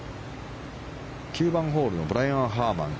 ９番ホールのブライアン・ハーマン。